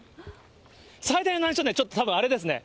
最大の難所、ちょっとね、たぶんあれですね。